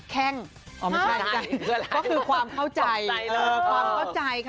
แค่งก็คือความเข้าใจ